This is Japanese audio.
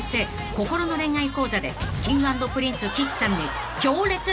心の恋愛講座でＫｉｎｇ＆Ｐｒｉｎｃｅ岸さんに強烈ダメ出し］